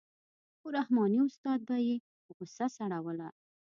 خو رحماني استاد به یې غوسه سړوله.